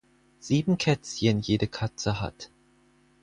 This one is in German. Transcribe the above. Sieben Kätzchen jede Katze hat.